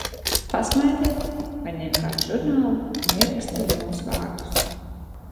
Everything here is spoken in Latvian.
Pasmaidīja, paņēma kādu žurnālu un ierakstīja mūsu vārdus.